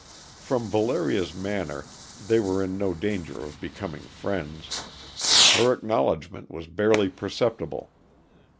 From Valeria's manner, they were in no danger of becoming friends. Her acknowledgment was barely perceptible.